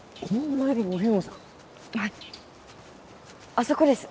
あそこです。